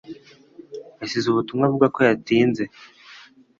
yasize ubutumwa avuga ko yatinze.